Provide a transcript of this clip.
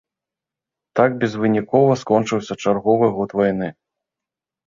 Так безвынікова скончыўся чарговы год вайны.